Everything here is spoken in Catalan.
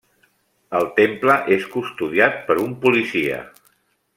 El temple és custodiat per un policia.